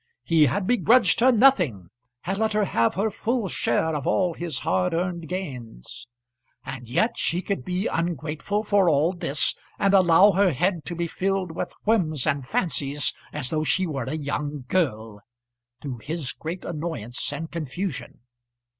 He had begrudged her nothing, had let her have her full share of all his hard earned gains; and yet she could be ungrateful for all this, and allow her head to be filled with whims and fancies as though she were a young girl, to his great annoyance and confusion.